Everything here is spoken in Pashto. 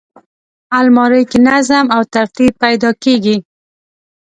الماري کې نظم او ترتیب پیدا کېږي